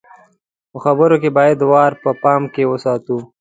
په خبرو کې بايد وار په پام کې وساتو.